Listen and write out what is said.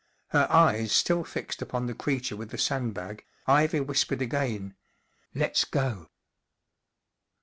Her eyes still fixed upon the creature with the sandbag, Ivy whispered again : 44 Let's go."